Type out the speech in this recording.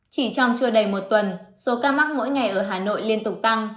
chỉ trong chưa đầy một tuần